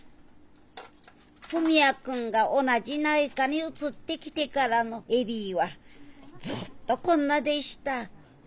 文也君が同じ内科に移ってきてからの恵里はずっとこんなでした。